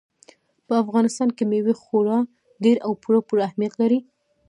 په افغانستان کې مېوې خورا ډېر او پوره پوره اهمیت لري.